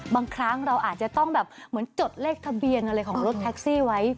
บางครั้งเราอาจจะต้องแบบเหมือนจดเลขทะเบียนอะไรของรถแท็กซี่ไว้